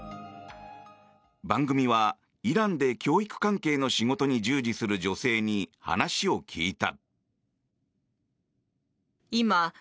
番組はイランで教育関係の仕事に従事する女性に話を聞いた。